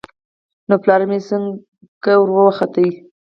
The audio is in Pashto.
نو پلار مې څنگه وروخوت.